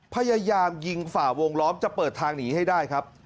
พยายามยิงฝ่าวงล้อมจะเปิดทางหนีให้ได้ครับ